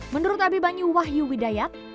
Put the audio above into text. menurut abibanyu wahyu widayat